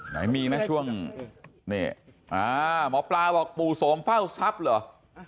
ไหนมีไหมช่วงนี่หมอปลาบอกปู่โสมเฝ้าทรัพย์เหรอ